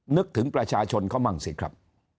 นึกถึงประชาชนเขามั่งสิครับ